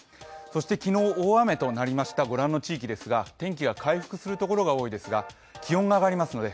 そして昨日、大雨となりました御覧の地域ですが、天気が回復するところが多いですが、気温が上がりますので